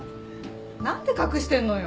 何で隠してんのよ。